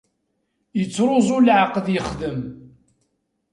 Ittruẓu leɛqed yexdem.